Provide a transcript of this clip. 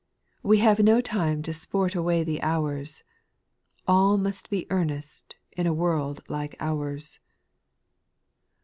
We have no time to sport away the hours, All must be earnest in a world like ours.